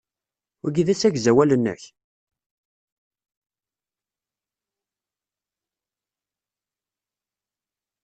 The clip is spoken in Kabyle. Wagi d asegzawal-nnek?